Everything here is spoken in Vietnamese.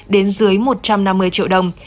đến dưới một trăm năm mươi triệu đồng